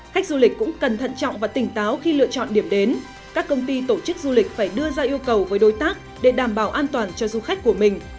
khách du lịch cũng cần thận trọng và tỉnh táo khi lựa chọn điểm đến các công ty tổ chức du lịch phải đưa ra yêu cầu với đối tác để đảm bảo an toàn cho du khách của mình